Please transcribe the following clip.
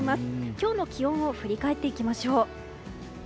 今日の気温を振り返っていきましょう。